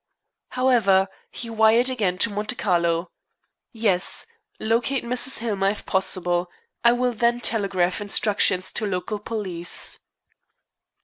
However, he wired again to Monte Carlo: "Yes. Locate Mrs. Hillmer, if possible. I will then telegraph instructions to local police."